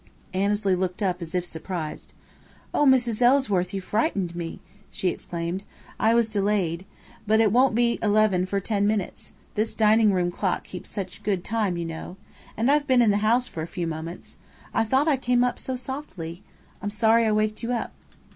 Annesley looked up as if surprised. "Oh, Mrs. Ellsworth, you frightened me!" she exclaimed. "I was delayed. But it won't be eleven for ten minutes. This dining room clock keeps such good time, you know. And I've been in the house for a few moments. I thought I came so softly! I'm sorry I waked you up."